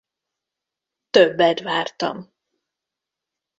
Többet vártam.